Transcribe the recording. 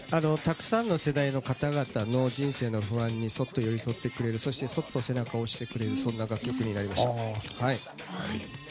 たくさんの世代の方々の人生の不安にそっと寄り添ってくれるそしてそっと背中を押してくれる楽曲になりました。